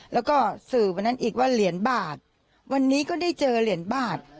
แล้วก็สื่อวันนั้นอีกว่าเหรียญบาทวันนี้ก็ได้เจอเหรียญบาท